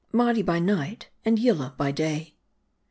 MARDI BY NIGHT AND YILLAH BY DAY.